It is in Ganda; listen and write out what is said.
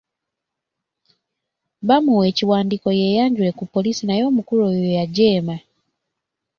Baamuwa ekiwandiiko yeeyanjule ku poliisi naye omukulu oyo yajeema.